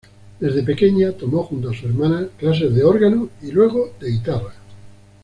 Desde pequeña tomó junto a su hermana clases de órgano y luego de guitarra.